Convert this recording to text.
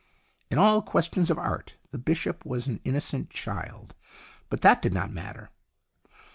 In all questions of art the bishop was an innocent child. But that did not matter.